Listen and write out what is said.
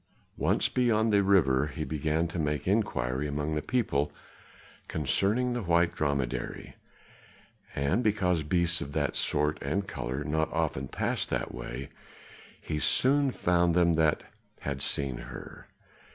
Once beyond the river he began to make inquiry among the people concerning the white dromedary, and because beasts of that sort and color not often passed that way he soon found them that had seen her.